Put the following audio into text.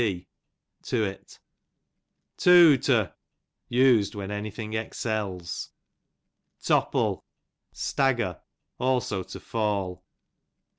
Too to, us^d when any thing excels. Topple, stagger ; also to fall.